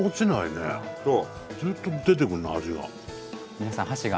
ずっと出てくるなあ味が。